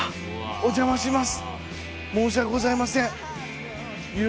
お邪魔します！